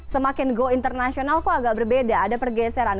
semakin go internasional kok agak berbeda ada pergeseran